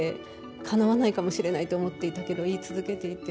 かなわないかもしれないと思っていたけど言い続けていて。